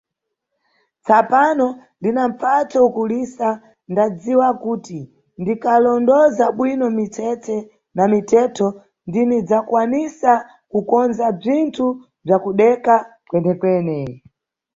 Tsapano ndina mpfatso ukulisa ndadziwa kuti ndikalondoza bwino mitsetse na mithetho ndinidzakwanisa kukonza bzinthu bzakudeka kwene-kwene.